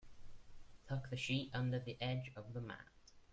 Tuck the sheet under the edge of the mat.